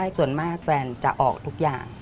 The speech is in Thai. ส่วนมากแฟนจะออกทุกอย่าง